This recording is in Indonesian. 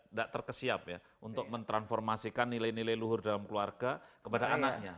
tidak terkesiap ya untuk mentransformasikan nilai nilai luhur dalam keluarga kepada anaknya